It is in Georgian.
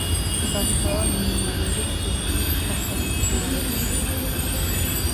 ვარშავა მინიმალური სისხლის ფასად იქნა აღებული.